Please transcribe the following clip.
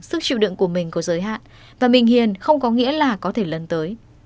sức chịu đựng của mình có giới hạn và mình hiền không có nghĩa là có thể lần tới